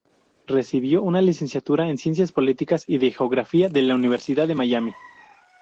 Recibió una licenciatura en Ciencias Políticas y de geografía de la Universidad de Miami.